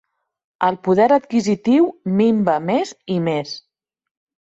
El poder adquisitiu minva més i més.